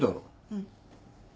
うん。